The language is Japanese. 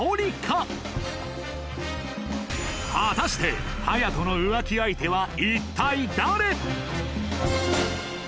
果たして隼人の浮気相手は一体誰？